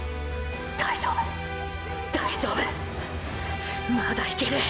大丈夫大丈夫まだいける！！